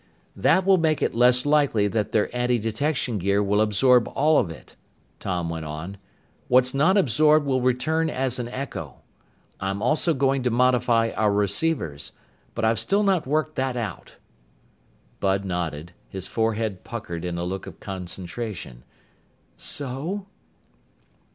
"This will make it less likely that their antidetection gear will absorb all of it," Tom went on. "What's not absorbed will return as an echo. I'm also going to modify our receivers. But I've still not worked that out." Bud nodded, his forehead puckered in a look of concentration. "So